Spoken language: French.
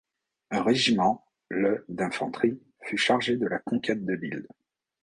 Un régiment, le d'infanterie, fut chargé de la conquête de l'île.